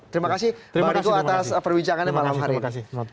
terima kasih baru atas perbincangannya malam hari ini